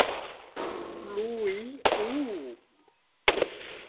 Iuiú